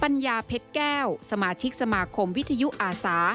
ัญญาเพชรแก้วสมาชิกสมาคมวิทยุอาสา